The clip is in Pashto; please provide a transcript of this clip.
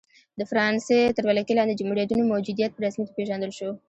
د فرانسې تر ولکې لاندې جمهوریتونو موجودیت په رسمیت وپېژندل شو.